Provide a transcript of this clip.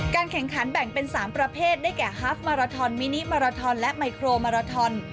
แข่งขันแบ่งเป็น๓ประเภทได้แก่ฮาฟมาราทอนมินิมาราทอนและไมโครมาราทอน